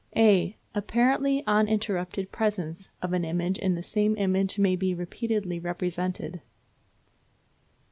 (a) Apparently uninterrupted presence of an image if the same image be repeatedly represented.